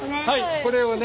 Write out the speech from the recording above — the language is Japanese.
これをね